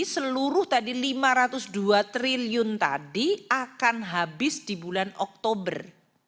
seluruh tadi lima ratus dua triliun tadi akan habis di bulan oktober